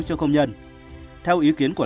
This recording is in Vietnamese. cho công nhân theo ý kiến của